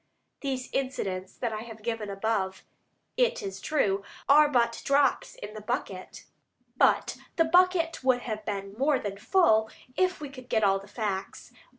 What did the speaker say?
These incidents I have given above, it is true, are but drops in the bucket, but the bucket would be more than full if we could get all the facts.